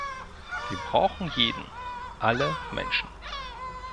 Wir brauchen jeden alle Menschen.